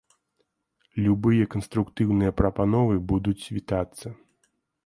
Любыя канструктыўныя прапановы будуць вітацца.